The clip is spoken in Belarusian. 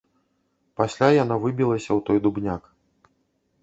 Пасля яна выбілася ў той дубняк.